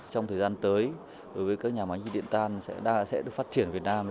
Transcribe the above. trong thời gian tới đối với các nhà máy nhiệt điện than sẽ được phát triển việt nam